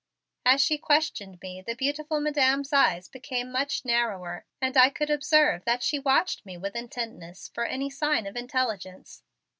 As she questioned me, the beautiful Madam's eyes became much narrower and I could observe that she watched me with intentness for any sign of intelligence.